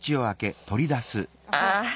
ああ。